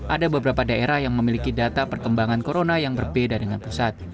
ada beberapa daerah yang memiliki data perkembangan corona yang berbeda dengan pusat